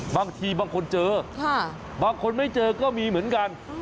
บางทีบางคนเจอบางคนไม่เจอก็มีเหมือนกัน